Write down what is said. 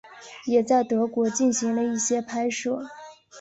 也在德国进行了一些拍摄。